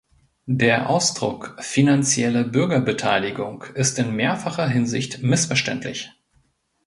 Der Ausdruck "Finanzielle Bürgerbeteiligung" ist in mehrfacher Hinsicht missverständlich.